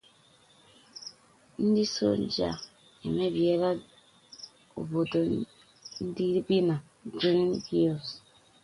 Numbers of soldiers have infiltrated the residence Soliven lives in, in Greenhills.